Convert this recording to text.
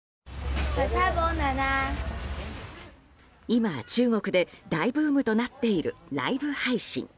今、中国で大ブームとなっているライブ配信。